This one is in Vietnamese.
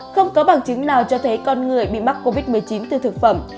không có bằng chứng nào cho thấy con người bị mắc covid một mươi chín từ thực phẩm